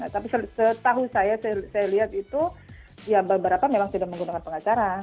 tapi setahu saya saya lihat itu ya beberapa memang sudah menggunakan pengacara